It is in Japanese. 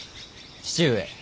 父上。